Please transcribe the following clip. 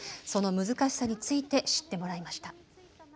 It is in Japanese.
その難しさについて知ってもらいました。